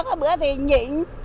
cái bữa thì nhịn